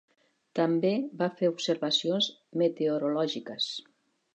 També va fer observacions meteorològiques.